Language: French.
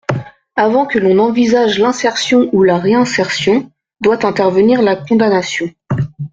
Avant que l’on n’envisage l’insertion ou la réinsertion, doit intervenir la condamnation.